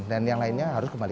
dan yang lainnya harus kembali